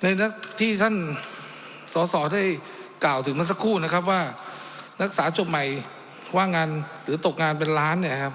ที่ท่านสอสอได้กล่าวถึงเมื่อสักครู่นะครับว่านักศึกษาจบใหม่ว่างงานหรือตกงานเป็นล้านเนี่ยนะครับ